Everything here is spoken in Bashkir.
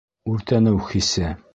Үртәнеү хисе.